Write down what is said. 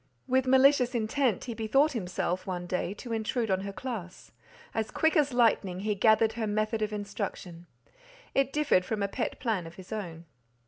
With malicious intent he bethought himself, one day, to intrude on her class; as quick as lightning he gathered her method of instruction; it differed from a pet plan of his own.